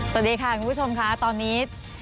สวัสดีค่ะคุณผู้ชมค่ะตอนนี้